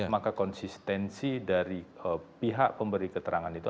maka konsistensi dari pihak pemberi keterangan itu